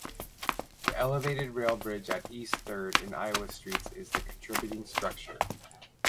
The elevated rail bridge at East Third and Iowa Streets is the contributing structure.